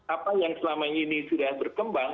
apa yang selama ini sudah berkembang